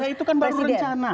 itu kan baru rencana